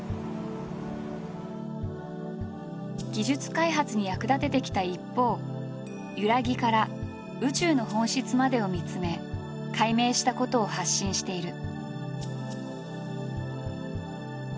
技術開発に役立ててきた一方「ゆらぎ」から宇宙の本質までを見つめ解明したことを発信している。